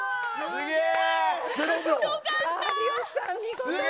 すげえ！